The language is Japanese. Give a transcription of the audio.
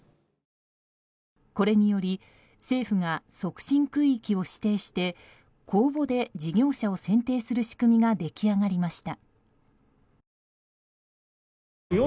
これにより政府が促進区域を指定して公募で事業者を選定する仕組みが出来上がりました。